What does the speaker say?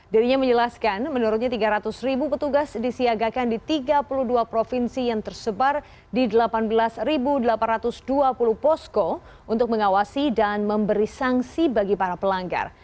dirinya menjelaskan menurutnya tiga ratus petugas disiagakan di tiga puluh dua provinsi yang tersebar di delapan belas delapan ratus dua puluh posko untuk mengawasi dan memberi sanksi bagi para pelanggar